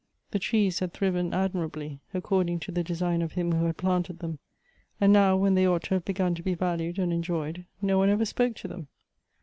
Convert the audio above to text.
The trees had thriven admira bly, according to the design of him who had planted them, and now when they ought to have begun to be valued and enjoyed, no One ever spoke to them.